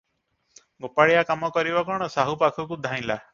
ଗୋପାଳିଆ କାମ କରିବ କଣ ସାହୁ ପାଖକୁ ଧାଇଁଲା ।